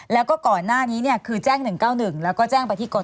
แล้วก็ก่อนหน้านี้คือแจ้ง๑๙๑แล้วก็แจ้งไปที่กร